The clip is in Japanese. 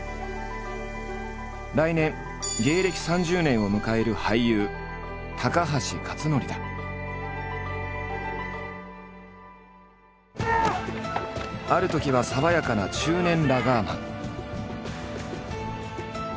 来年芸歴３０年を迎えるあるときは爽やかな中年ラガーマン。